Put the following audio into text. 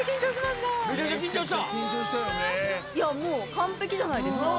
もう完璧じゃないですか？